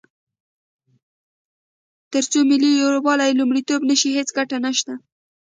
تر څو ملي یووالی لومړیتوب نه شي، هیڅ ګټه نشته.